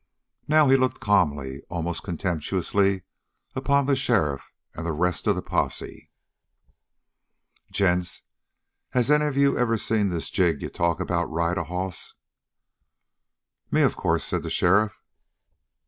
Now he looked calmly, almost contemptuously upon the sheriff and the rest of the posse. "Gents, has any of you ever seen this Jig you talk about ride a hoss?" "Me, of course," said the sheriff.